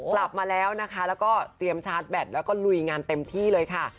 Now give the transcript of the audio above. กลับมาแล้วนะคะแล้วก็เตรียมชาร์จแบตแล้วก็ลุยงานเต็มที่เลยค่ะ